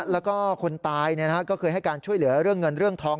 แล้วก็คนตายก็เคยให้การช่วยเหลือเรื่องเงินเรื่องทอง